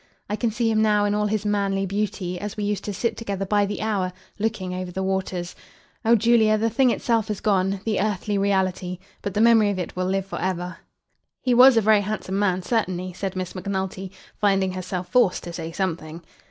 I can see him now in all his manly beauty, as we used to sit together by the hour, looking over the waters. Oh, Julia, the thing itself has gone, the earthly reality; but the memory of it will live for ever!" "He was a very handsome man, certainly," said Miss Macnulty, finding herself forced to say something.